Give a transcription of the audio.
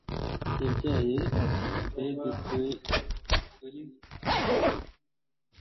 yabyaye obedi kuri rusi